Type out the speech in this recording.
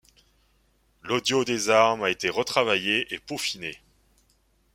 L'audio des armes a été retravaillé et peaufiné.